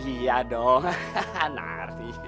iya dong nardi